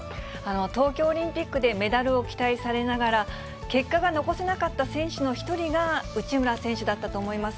東京オリンピックでメダルを期待されながら、結果が残せなかった選手の一人が内村選手だったと思います。